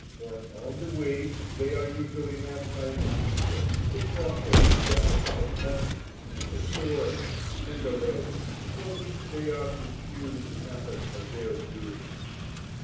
For on the way they are usually met by a messenger, who proffers them a cup of coffee, a sword, and a rope, from which they are to choose the method of their doom.